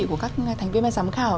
của các thành viên và giám khảo